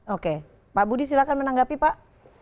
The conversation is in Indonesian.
oke pak budi silahkan menanggapi pak